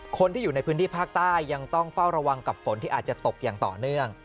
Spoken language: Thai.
คนที่อยู่ในพื้นที่ภาคใต้ยังต้องเฝ้าระวังกับฝนที่อาจจะตกอย่างต่อเนื่อง